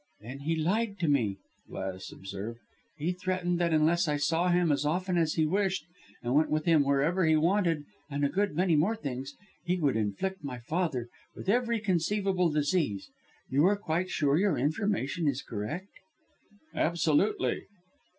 "Then he lied to me!" Gladys observed. "He threatened that unless I saw him as often as he wished, and went with him wherever he wanted, and a good many more things, he would inflict my father with every conceivable disease. You are quite sure your information is correct?" "Absolutely!"